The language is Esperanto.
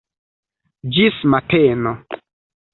Ĝis mateno.